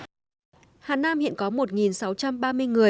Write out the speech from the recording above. hà nam hiện có một sáu trăm ba mươi người